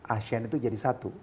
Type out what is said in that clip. asean itu jadi satu